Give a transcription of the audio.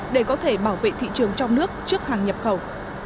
để có thể bảo vệ thị trường trong nước trước hàng nhập khẩu